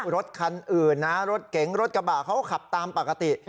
รถคันอื่นนะรถเก๋งรถกระบะเขาก็ขับตามปกติ